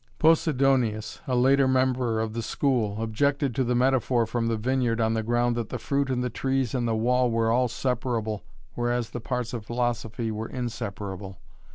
Posidonius, a later member of the school, objected to the metaphor from the vineyard on the ground that the fruit and the trees and the wall were all separable whereas the parts of philosophy were inseparable.